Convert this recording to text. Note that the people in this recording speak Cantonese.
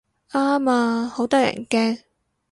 啱啊，好得人驚